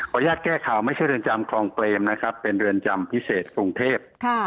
ญาตแก้ข่าวไม่ใช่เรือนจำคลองเปรมนะครับเป็นเรือนจำพิเศษกรุงเทพ